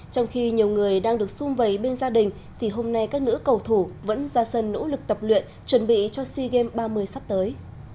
trong khi nhiều người đang được xung vầy bên gia đình thì hôm nay các nữ cầu thủ vẫn ra sân nỗ lực tập luyện chuẩn bị cho sea games ba mươi sắp tới